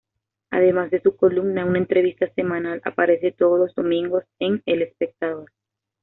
Además de su columna, una entrevista semanal aparece todos los domingos en "El Espectador".